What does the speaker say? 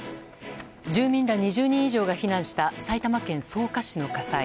住民ら２０人以上が避難した埼玉県草加市の火災。